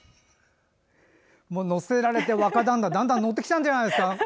乗せられて若旦那だんだん乗ってきたんじゃないですか。